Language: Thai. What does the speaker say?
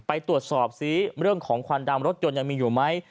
ไปตรวจสอบซิเรื่องของควันดำรถยนต์ยังมีอยู่ไหม